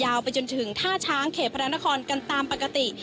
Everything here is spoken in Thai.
ไปจนถึงท่าช้างเขตพระนครกันตามปกติ